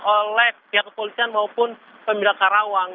oleh pihak kepolisian maupun peminda karawang